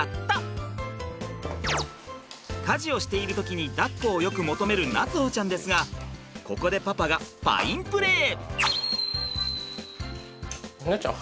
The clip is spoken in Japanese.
家事をしている時にだっこをよく求める夏歩ちゃんですがここでパパがファインプレー！